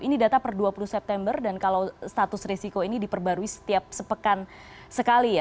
ini data per dua puluh september dan kalau status risiko ini diperbarui setiap sepekan sekali ya